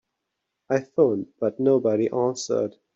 I phoned but nobody answered.